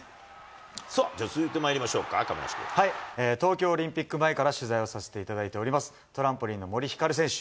さあ、じゃあ、続いてまいり東京オリンピック前から取材をさせていただいております、トランポリンの森ひかる選手。